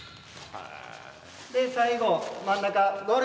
で最後真ん中。